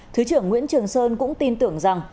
thứ trưởng nguyễn trường sơn cũng tin tưởng rằng